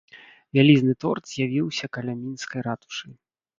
Вялізны торт з'явіўся каля мінскай ратушы.